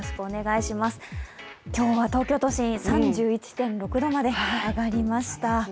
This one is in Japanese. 今日は東京都心、３１．６度まで上がりました。